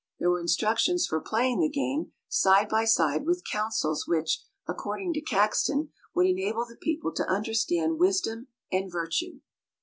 There were instructions for playing the game, side by side with counsels which, according to Caxton, would enable the people to understand wisdom and virtue.